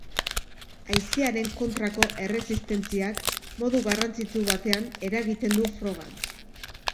Haizearen kontrako erresistentziak modu garrantzitsu batean eragiten du frogan.